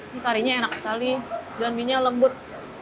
ini karinya enak sekali dan mie nya lembut